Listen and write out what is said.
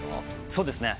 そうですね。